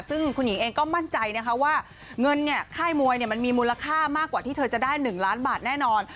ซึ่งคุณหญิงเองก็มั่นใจนะคะว่าเงินค่ายมวยมันมีมูลค่ามากกว่าที่เธอจะได้๑ล้านบาทแน่นอน